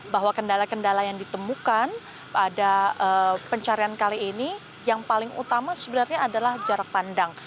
bahwa kendala kendala yang ditemukan pada pencarian kali ini yang paling utama sebenarnya adalah jarak pandang